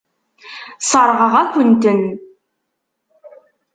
Sseṛɣeɣ-akent-ten.